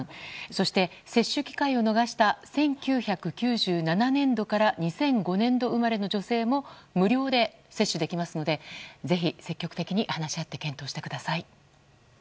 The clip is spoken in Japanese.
そして、接種機会を逃した１９９７年度から２００５年度生まれの女性も無料で接種できますのでぜひ、積極的に話し合って検討してください。